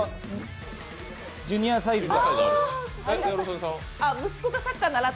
ジュニアサイズから。